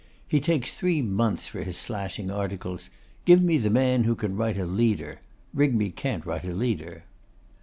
He takes three months for his slashing articles. Give me the man who can write a leader. Rigby can't write a leader.